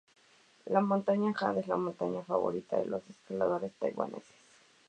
La Montaña Jade es la montaña favorita de los escaladores taiwaneses.